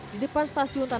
di depan stasiun tersebut